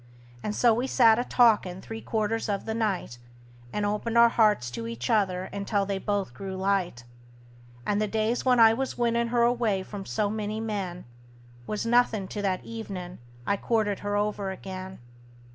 And so we sat a talkin' three quarters of the night, And opened our hearts to each other until they both grew light; And the days when I was winnin' her away from so many men Was nothin' to that evenin' I courted her over again.